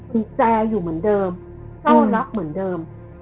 กุญแจอยู่เหมือนเดิมเฝ้ารักเหมือนเดิม